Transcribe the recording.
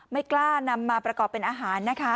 ไม่กล้านำมาประกอบเป็นอาหารนะคะ